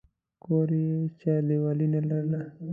کور یې چاردیوالي نه لرله.